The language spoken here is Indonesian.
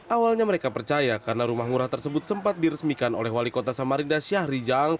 awalnya mereka percaya karena rumah murah tersebut sempat diresmikan oleh wali kota samarinda syahri jang